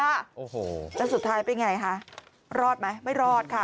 โอ้โหแล้วสุดท้ายเป็นไงคะรอดไหมไม่รอดค่ะ